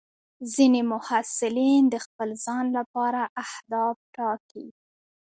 ځینې محصلین د خپل ځان لپاره اهداف ټاکي.